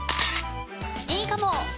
いいかも！